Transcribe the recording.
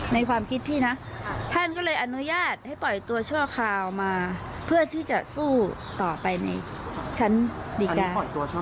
ในความคิดพี่นะท่านก็เลยอนุญาตให้ปล่อยตัวชั่วคราวมาเพื่อที่จะสู้ต่อไปในชั้นดีการปล่อยตัวช่อ